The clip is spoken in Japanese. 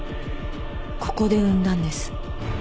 ここで産んだんです。